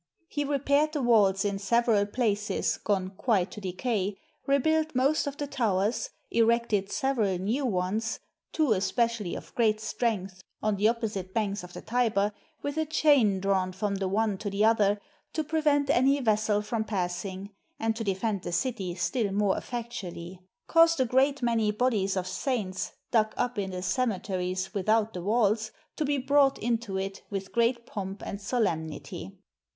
He repaired the walls in several places, gone quite to decay, rebuilt most of the towers, erected several new ones, two especially of great strength, on the opposite banks of the Tiber, with a chain drawn from the one to the other, to prevent any vessel from passing; and, to defend the city still more effectually, caused a great 6 ROME DEFENDED FROM THE SARACENS many bodies of saints, dug up in the cemeteries without the walls, to be brought into it with great pomp and solemnity.